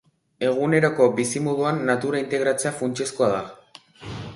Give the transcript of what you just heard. Eguneroko bizimoduan natura integratzea funtsezkoa da.